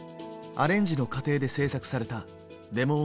アレンジの過程で制作されたデモ音源。